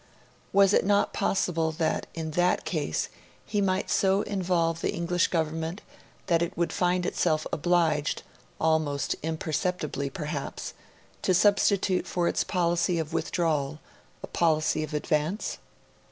Was it not possible that in that case he might so involve the English Government that it would find itself obliged, almost imperceptibly perhaps, to substitute for its policy of withdrawal a policy of advance?